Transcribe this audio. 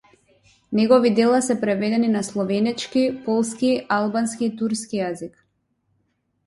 Негови дела се преведени на словенечки, полски, албански и турски јазик.